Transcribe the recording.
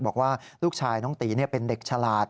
บอกว่าลูกชายน้องตีเป็นเด็กฉลาด